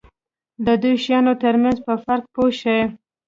د دوو شیانو ترمنځ په فرق پوه شي.